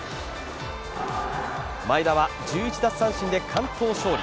前田は１１奪三振で完投勝利。